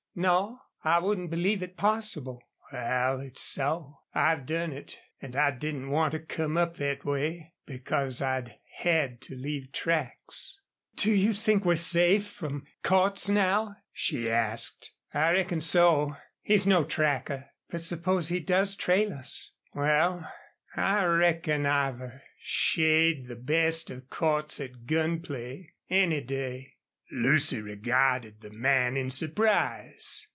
"No, I wouldn't believe it possible." "Wal, it's so. I've done it. An' I didn't want to come up thet way because I'd had to leave tracks." "Do you think we're safe from Cordts now?" she asked. "I reckon so. He's no tracker." "But suppose he does trail us?" "Wal, I reckon I've a shade the best of Cordts at gun play, any day." Lucy regarded the man in surprise.